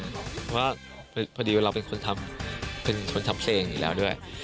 เพราะว่าพอดีว่าเราเป็นคนทำเป็นคนทำเพลงอยู่แล้วด้วย